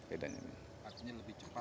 artinya lebih cepat